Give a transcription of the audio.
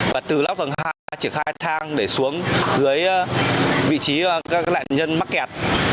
và từ lóc tầng hai triển khai thang để xuống dưới vị trí các nạn nhân mắc kẹt